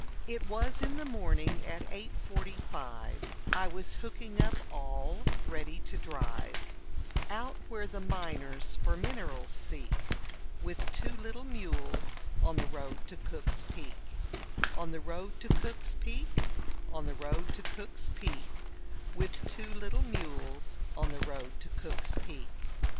It was in the morning at eight forty five, I was hooking up all ready to drive Out where the miners for minerals seek, With two little mules on the road to Cook's Peak On the road to Cook's Peak, On the road to Cook's Peak, With two little mules on the road to Cook's Peak.